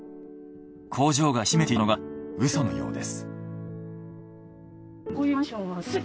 工場がひしめいていたのがうそのようです。